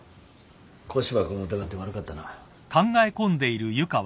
古芝君を疑って悪かったな。